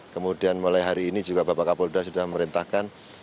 kemudian mulai hari ini juga bapak kapolda sudah memerintahkan